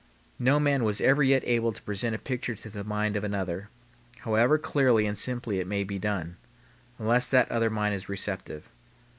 No man was ever yet able to present a picture to the mind of another, however clearly and simply it may be done, unless that other mind is receptive.